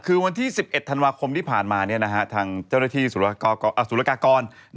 คือวันที่๑๑ธันวาคมที่ผ่านมาทางเจ้าหน้าที่สุรกากร